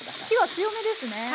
火は強めですね？